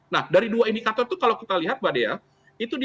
nah dari dua indikator itu kalau kita lihat mbak adea itu di dua ribu dua puluh dua